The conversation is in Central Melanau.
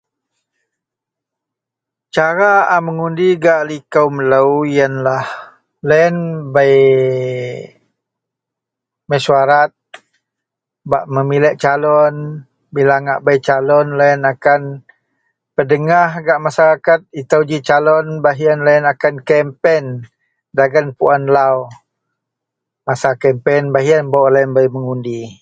cara a mengundi gak liko melou ienlah, loyien bei masyuarat bak memiliek calon, bila ngak bei calon loyien akan pedegah gak masyarakat itou ji calon, baih ien loyien akan kempen dagen peluen lau masa kempen, baih ien barulah mengundi